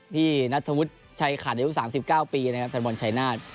พี่นัทธวุฒิชัยขาดยุทธ๓๙ปีนะครับธรรมวลชัยนาศ